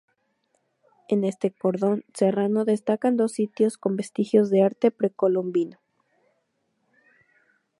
En este cordón serrano destacan dos sitios con vestigios de arte precolombino.